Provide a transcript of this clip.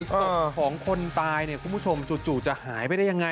ศพของคนตายเนี่ยคุณผู้ชมจู่จะหายไปได้ยังไง